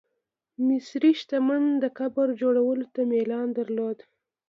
مصري شتمن د قبر جوړولو ته میلان درلود.